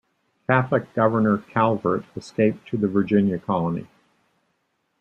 Catholic Governor Calvert escaped to the Virginia Colony.